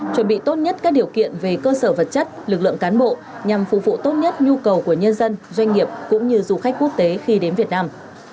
chuẩn bị tốt nhất các điều kiện về cơ sở vật chất lực lượng cán bộ nhằm phục vụ tốt nhất nhu cầu của nhân dân doanh nghiệp cũng như du khách quốc tế khi đến việt nam